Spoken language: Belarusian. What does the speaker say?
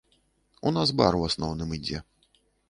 У нас бар у асноўным ідзе.